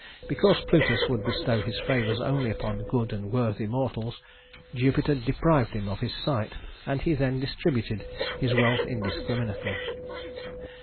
Because Plutus would bestow his favors only upon good and worthy mortals, Jupiter deprived him of his sight; and he then distributed his wealth indiscriminately.